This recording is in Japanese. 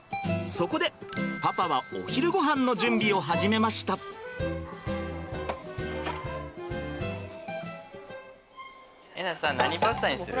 そこでパパはお昼ごはんの準備を始めました。笑